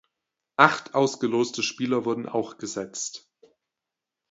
Acht ausgeloste Spieler wurden auch gesetzt.